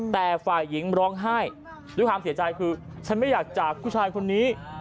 แต่ฝ่ายหญิงร้องไห้ด้วยความเสียใจคือฉันไม่อยากจากผู้ชายคนนี้